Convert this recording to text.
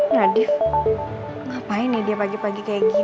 radief ngapain ya dia pagi pagi kayak gini